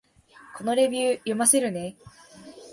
このレビュー、読ませるね